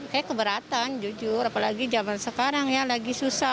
kayaknya keberatan jujur apalagi zaman sekarang ya lagi susah